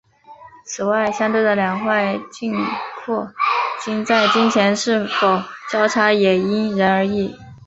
此外相对的两块颈阔肌在颈前是否交叉也因人而异。